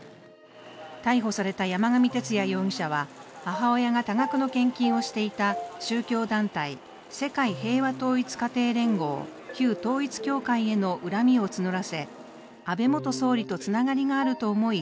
逮捕された山上徹也容疑者は、母親が多額の献金をしていた宗教団体、世界平和統一家庭連合＝旧統一教会への恨みを募らせ、安倍元総理とつながりがあると思い